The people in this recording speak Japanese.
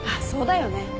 そうだよね。